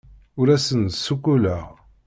Ur asen-d-ssuqquleɣ.